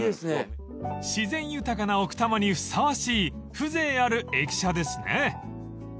［自然豊かな奥多摩にふさわしい風情ある駅舎ですね］